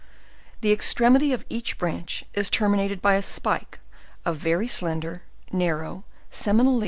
The extremity of each branch, is terminated by a spike of very slender, narrow seminal.